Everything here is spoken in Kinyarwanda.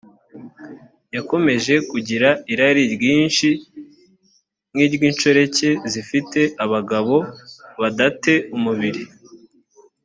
yakomeje kugira irari ryinshi nk’iry’inshoreke zifite abagabo badate umubiri